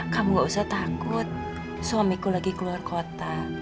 kamu gak usah takut suamiku lagi keluar kota